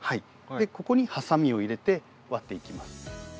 ここにハサミを入れて割っていきます。